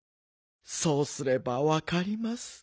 そうすればわかります。